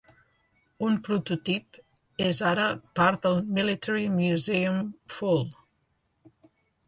Un prototip és ara part del Military Museum Full.